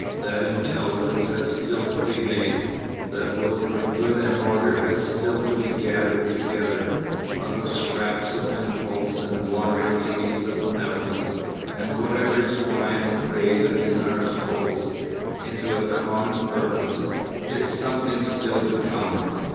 That intelligence has still to be made, that will for good and order has still to be gathered together, out of scraps of impulse and wandering seeds of benevolence and whatever is fine and creative in our souls, into a common purpose. It's something still to come....